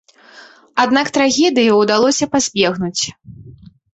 Аднак трагедыі ўдалося пазбегнуць.